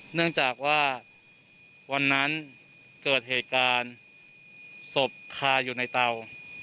เนื่องจากว่าวันนั้นเกิดเหตุการณ์ศพคาอยู่ในเตา